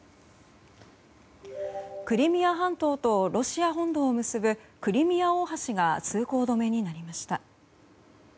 クリミア半島とロシア本土を結ぶクリミア大橋が通行止めになりました。